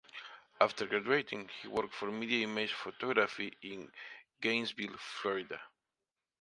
After graduating, he worked for Media Image Photography in Gainesville, Florida.